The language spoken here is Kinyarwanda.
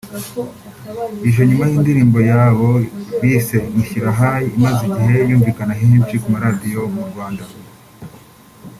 ije nyuma y’indirimbo yabo bise ’’ Unshyira High’’ imaze igihe yumvikana henshi ku maradiyo yo mu Rwanda